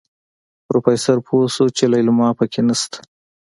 پروفيسر پوه شو چې ليلما پکې نشته.